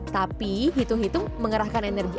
tapi hitung hitung mengerahkan energi